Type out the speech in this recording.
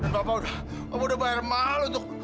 dan papa udah bayar malu